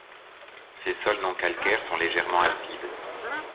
Ces sols non-calcaires sont légèrement acides.